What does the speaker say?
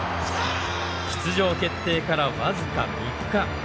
出場決定から僅か３日。